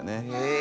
え。